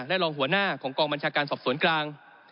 และรองหัวหน้าของกองบัญชาการสอบสวนกลาง